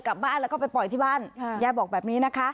กลับบ้านแล้วก็ไปปล่อยที่บ้านยายบอกแบบนี้นะคะ